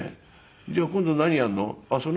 「じゃあ今度何やるの？